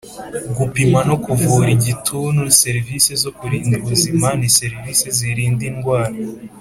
gupima no kuvura igituntu Serivise zo kurinda ubuzima ni serivise zirinda indwara